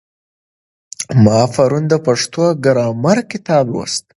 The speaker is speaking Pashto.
ما پرون د پښتو ګرامر کتاب لوست.